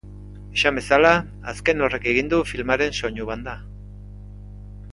Esan bezala, azken horrek egin du filmaren soinu-banda.